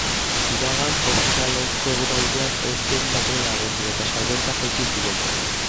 Iragan ostiraleko eguraldiak ez zuen batere lagundu, eta salmentak jaitsi ziren.